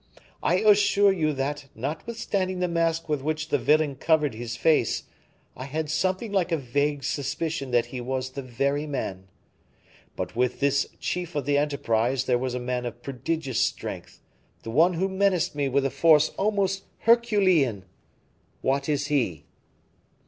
I assure you that, notwithstanding the mask with which the villain covered his face, I had something like a vague suspicion that he was the very man. But with this chief of the enterprise there was a man of prodigious strength, the one who menaced me with a force almost herculean; what is he?"